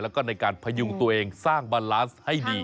แล้วก็ในการพยุงตัวเองสร้างบาลานซ์ให้ดี